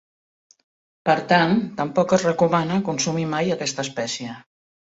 Per tant, tampoc es recomana consumir mai aquesta espècie.